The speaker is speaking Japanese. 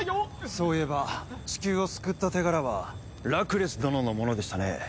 そういえばチキューを救った手柄はラクレス殿のものでしたね。